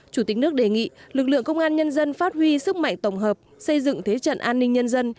chủ tịch nước đề nghị lực lượng công an nhân dân phát huy sức mạnh tổng hợp xây dựng thế trận an ninh nhân dân